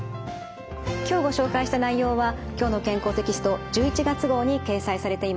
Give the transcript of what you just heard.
今日ご紹介した内容は「きょうの健康」テキスト１１月号に掲載されています。